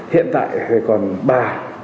hiện tại thì còn bà